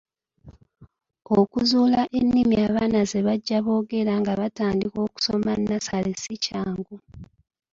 Okuzuula ennimi abaana ze bajja boogera nga batandika okusoma nnassale si kyangu.